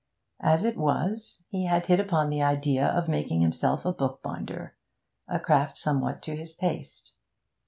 As it was, he had hit upon the idea of making himself a bookbinder, a craft somewhat to his taste.